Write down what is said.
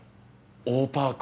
オーパーク